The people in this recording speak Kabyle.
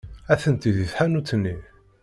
Atenti deg tḥanut-nni.